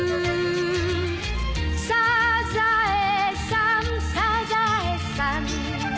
「サザエさんサザエさん」